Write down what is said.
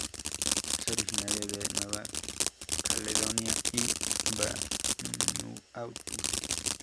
Es originario de Nueva Caledonia y Vanuatu.